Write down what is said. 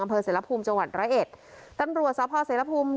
อำเภอเสร็จละภูมิจังหวัดร้อยเอ็ดต้นบรัวทราบพ่อเสร็จละภูมิ